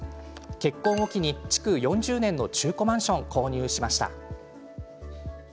結婚を機に築４０年の中古マンションを購入しました。